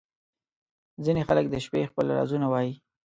• ځینې خلک د شپې خپل رازونه وایې.